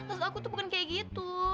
terus aku tuh bukan kayak gitu